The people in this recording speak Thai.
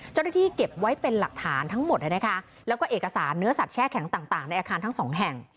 เจ้าหน้าที่เก็บไว้เป็นหลักฐานทั้งหมดแล้วก็เอกสารเนื้อสัตวแช่แข็งต่างในอาคารทั้งสองแห่ง